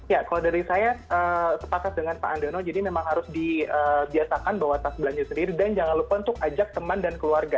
ya kalau dari saya sepakat dengan pak andono jadi memang harus dibiasakan bawa tas belanja sendiri dan jangan lupa untuk ajak teman dan keluarga